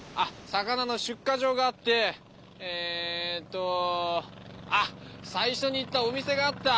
魚の出荷場があってえっとあっ最初に行ったお店があった！